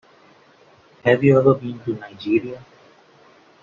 Have you ever been to Nigeria?